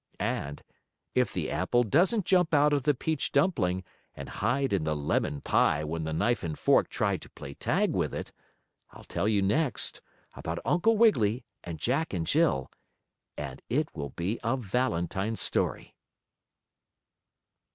And, if the apple doesn't jump out of the peach dumpling and hide in the lemon pie when the knife and fork try to play tag with it, I'll tell you next about Uncle Wiggily and Jack and Jill, and it will be a Valentine story.